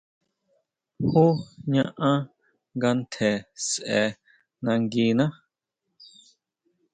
¿Jú ñaʼán nga ntje sʼe nanguiná?